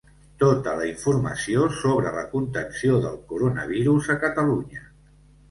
Tota la informació sobre la contenció del coronavirus a Catalunya.